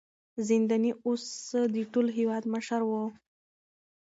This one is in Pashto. زنداني اوس د ټول هېواد مشر و.